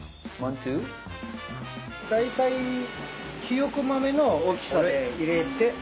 大体ひよこ豆の大きさで入れて。